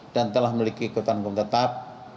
dan telah memiliki ikutan pun tetap